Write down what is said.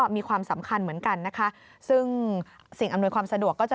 เป็นขบวนรถที่จะช่วยลดปัญหามลภาวะทางอากาศได้ด้วยค่ะ